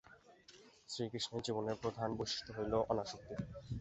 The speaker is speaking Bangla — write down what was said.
শ্রীকৃষ্ণের জীবনের প্রধান বৈশিষ্ট্য হইল অনাসক্তি।